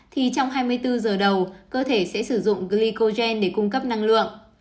thì trong hai mươi bốn giờ đầu cơ thể sẽ sử dụng glycogen để cung cấp năng lượng